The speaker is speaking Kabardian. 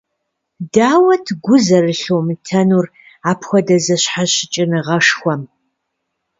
Дауэт гу зэрылъумытэнур апхуэдэ зэщхьэщыкӀыныгъэшхуэм?